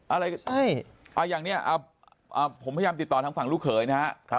อะไรใช่อย่างนี้ผมพยายามติดต่อทางฝั่งลูกเขยนะฮะ